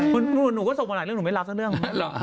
หนูเลยอาจลองง่ายงั้งว่ารับทุกเรื่อง